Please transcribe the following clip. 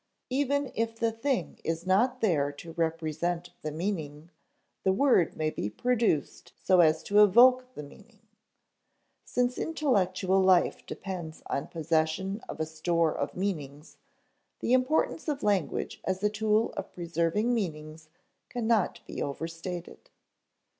Even if the thing is not there to represent the meaning, the word may be produced so as to evoke the meaning. Since intellectual life depends on possession of a store of meanings, the importance of language as a tool of preserving meanings cannot be overstated.